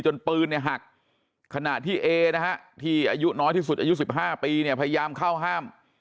ปืนเนี่ยหักขณะที่เอนะฮะที่อายุน้อยที่สุดอายุ๑๕ปีเนี่ยพยายามเข้าห้าม